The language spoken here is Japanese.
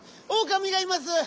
おおかみがいます！